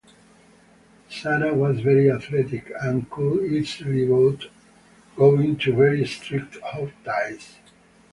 Sarah was very athletic and could easily go into very strict hog-ties.